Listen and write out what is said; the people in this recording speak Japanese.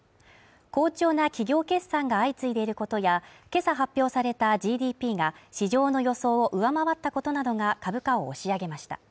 好調な企業決算が相次いでいることや、今朝発表されたＧＤＰが市場の予想を上回ったことなどが株価を押し上げました。